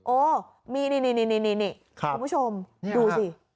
โอ้นี่คุณผู้ชมดูสิ